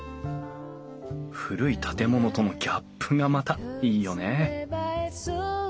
古い建物とのギャップがまたいいよね